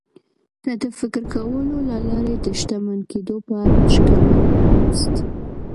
که د فکر کولو له لارې د شتمن کېدو په اړه شکمن ياست.